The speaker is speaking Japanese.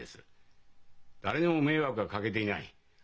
誰にも迷惑はかけていない。